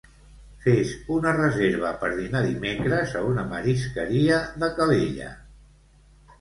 Fes una reserva per dinar dimecres a una marisqueria de Calella.